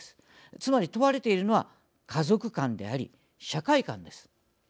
つまり問われているのは家族間であり社会間です。